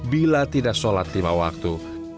bila tidak sholat lima waktu